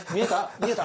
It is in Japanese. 見えた？